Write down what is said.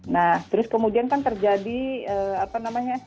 nah terus kemudian kan terjadi apa namanya